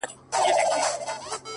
دغه جلال او دا جمال د زلفو مه راوله-